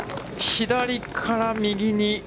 左から右に。